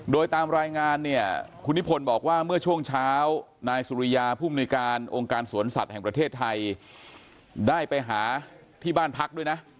โดยตามรายงานเนี่ยคุณนิพนธ์บอกว่าเมื่อช่วงเช้านายสุริยาผู้มนุยการองค์การสวนสัตว์แห่งประเทศไทยได้ไปหาที่บ้านพักด้วยนะ